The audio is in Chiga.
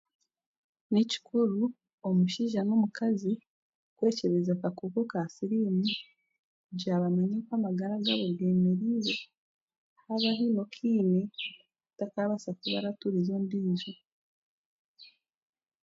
Ni kikuru omushaija n'omukazi kw'ekyebeza akakooko ka siriimu kugira bamanye oku amagara gaabo g'emereire haba haine okaina atakabaasa kuba araturiza ondiijo